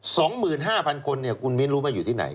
สองหมื่นห้าพันคนคุณมีนรู้มาอยู่ที่ไหน